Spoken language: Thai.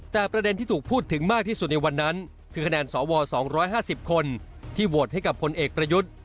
แต่ประเด็นที่ถูกพูดถึงมากที่สุดในวันนั้นคือคะแนนสว๒๕๐คนที่โหวตให้กับพลเอกประยุทธ์